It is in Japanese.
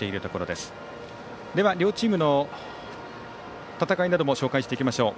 では両チームの戦いなども紹介していきましょう。